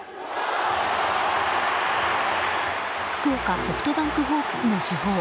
福岡ソフトバンクホークスの主砲